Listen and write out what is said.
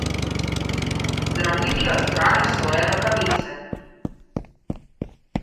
Zdravnik je odstranil svoje rokavice.